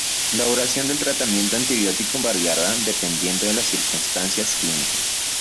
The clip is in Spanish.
La duración del tratamiento antibiótico variará dependiendo de las circunstancias clínicas.